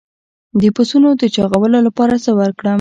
د پسونو د چاغولو لپاره څه ورکړم؟